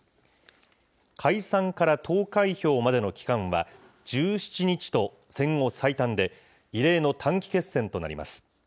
解散から投開票までの期間は１７日と戦後最短で、異例の短期決戦となります。